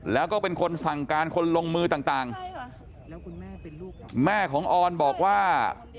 แล้วก็เป็นคนสั่งการคนลงมือต่างแล้วคุณแม่ของออนบอกว่า